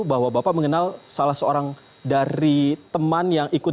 bahwa bapak mengenal salah seorang dari teman yang ikut